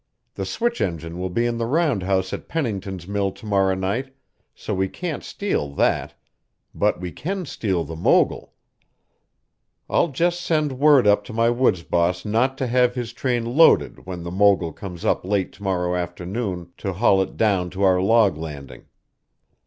The switch engine will be in the roundhouse at Pennington's mill to morrow night so we can't steal that; but we can steal the mogul. I'll just send word up to my woods boss not to have his train loaded when the mogul comes up late to morrow afternoon to haul it down to our log landing.